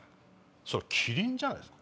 それキリンじゃないですか？